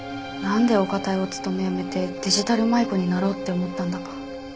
なんでお堅いお勤め辞めてデジタル舞子になろうって思ったんだか。